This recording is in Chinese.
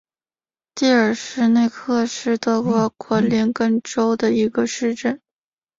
蒂尔施内克是德国图林根州的一个市镇。